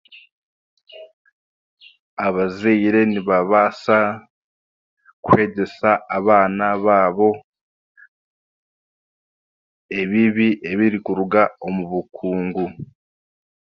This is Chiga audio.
Abazaire nibabaasa kwegyesa abaana baabo ebibi ebirikuruga omu bukungu